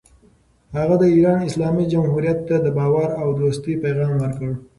هغه د ایران اسلامي جمهوریت ته د باور او دوستۍ پیغام ورکړ.